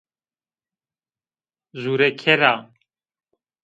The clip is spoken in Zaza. Zureker a